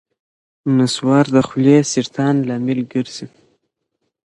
نصوار د خولې سرطان لامل ګرځي.